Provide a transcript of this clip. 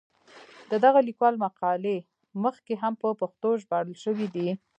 د دغه لیکوال مقالې مخکې هم په پښتو ژباړل شوې دي.